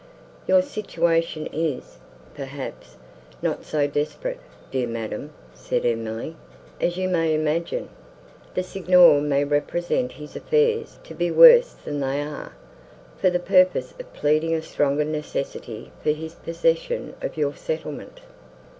"Your situation is, perhaps, not so desperate, dear madam," said Emily, "as you may imagine. The Signor may represent his affairs to be worse than they are, for the purpose of pleading a stronger necessity for his possession of your settlement.